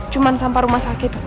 cuman sampah rumah sakit